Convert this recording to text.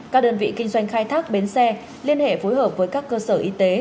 các đơn vị kinh doanh khai thác bến xe liên hệ phối hợp với các cơ sở y tế